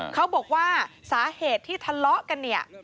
เขาบอกว่าสาเหตุที่ทะเลาะกันเนี่ย